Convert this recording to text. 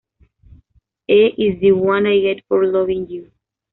E "Is This What I Get For Loving You?